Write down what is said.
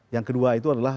yang kedua itu adalah